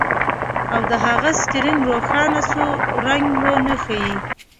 او د هغه سکرین روښانه سور رنګ ونه ښيي